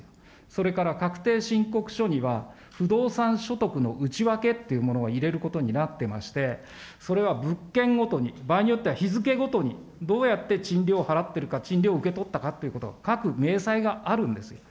それから確定申告書には、不動産所得の内訳っていうものを入れることになっていまして、それは物件ごとに、場合によっては、日付ごとに、どうやって賃料を払ってるか、賃料を受け取ったかということを書く明細があるんですよ。